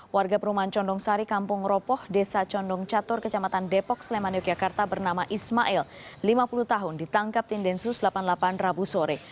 warga perumahan condong sari kampung ropoh desa condong catur kecamatan depok sleman yogyakarta bernama ismail lima puluh tahun ditangkap tim densus delapan puluh delapan rabu sore